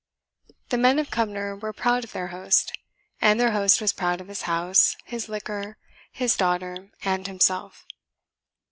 The men of Cumnor were proud of their Host, and their Host was proud of his house, his liquor, his daughter, and himself.